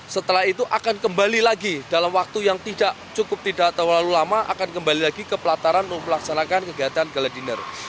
setelah itu akan kembali lagi dalam waktu yang tidak cukup tidak terlalu lama akan kembali lagi ke pelataran untuk melaksanakan kegiatan gala dinner